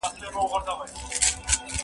بزګر هڅه کوله چې د آس د ایستلو لاره ومومي.